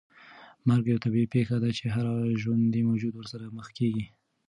مرګ یوه طبیعي پېښه ده چې هر ژوندی موجود ورسره مخ کېږي.